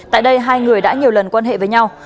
tại đây hai người đã nhiều lần quan hệ với nhau